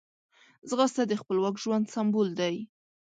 ځغاسته د خپلواک ژوند سمبول دی